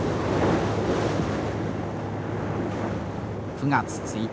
９月１日。